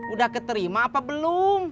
udah keterima apa belum